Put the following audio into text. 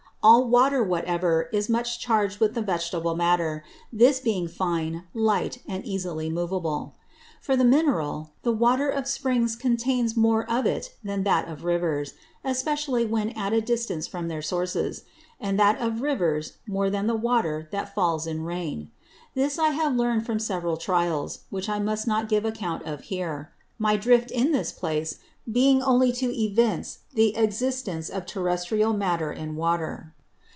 All Water whatever is much charg'd with the Vegetable Matter, this being fine, light, and easily moveable. For the Mineral, the Water of Springs contains more of it than that of Rivers, especially when at distance from their Sources; and that of Rivers more than the Water that falls in Rain. This I have learn'd from several Trials, which I must not give Account of here; my Drift in this place being only to evince the Existence of Terrestrial Matter in Water.